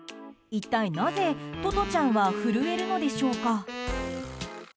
一体なぜ、トトちゃんは震えるのでしょうか。